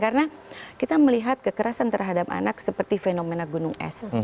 karena kita melihat kekerasan terhadap anak seperti fenomena gunung es